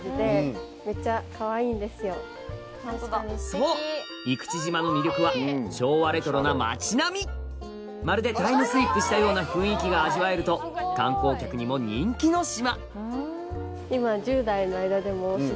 そう生口島の魅力はまるでタイムスリップしたような雰囲気が味わえると観光客にも人気の島